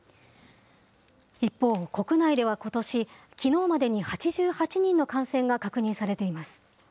一方、国内ではことし、きのうまでに８８人の感染が確認されています。